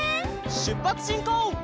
しゅっぱつしんこう！